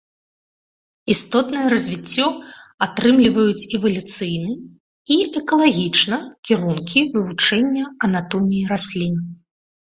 Істотнае развіццё атрымліваюць эвалюцыйны і экалагічна кірункі вывучэння анатоміі раслін.